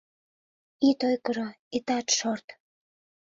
Ит ойгыро, итат шорт